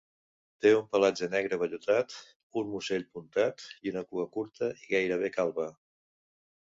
Té un pelatge negre vellutat, un musell puntat i una cua curta i gairebé calba.